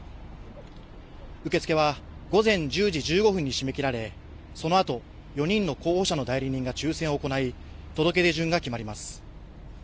受け付けは午前１０時１５分に締め切られ、そのあと４人の候補者の代理人が抽せんを行い届け出順が決まります。